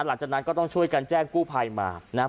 หลังจากนั้นก็ต้องช่วยกันแจ้งกู้ภัยมานะฮะ